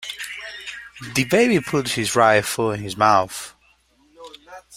The baby puts his right foot in his mouth.